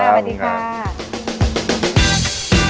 ค่ะสวัสดีค่ะ